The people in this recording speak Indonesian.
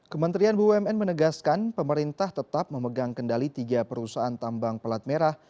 kementerian bumn menegaskan pemerintah tetap memegang kendali tiga perusahaan tambang pelat merah